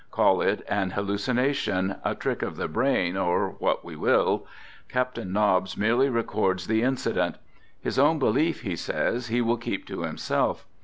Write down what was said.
Call it an hallucination, a trick of the brain, or what we will. Captain Nobbs merely records the inci dent. His own belief, he says, he will keep to him self.